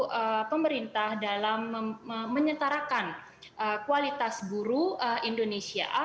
membantu pemerintah dalam menyetarakan kualitas buruh indonesia